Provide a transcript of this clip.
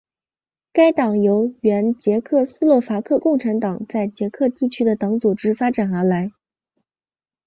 该党由原捷克斯洛伐克共产党在捷克地区的党组织发展而来。